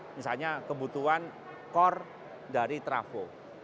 misalnya kebutuhan core dari trafo